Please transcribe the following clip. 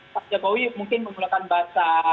pak jokowi mungkin menggunakan bahasa